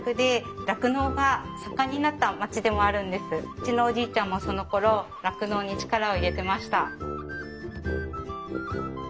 うちのおじいちゃんもそのころ酪農に力を入れてました。